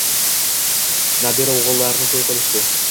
Nabira-oʻgʻillarni toʻy qilishdi